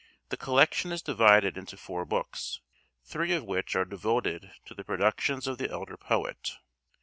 The collection is divided into four books, three of which are devoted to the productions of the elder poet.